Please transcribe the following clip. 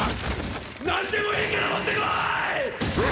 何でもいいから持って来い！！